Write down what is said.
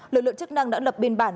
lực lượng chức năng đã lập biên bản